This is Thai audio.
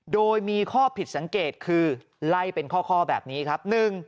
โดยมีข้อผิดสังเกตคือไล่เป็นข้อแบบนี้ครับ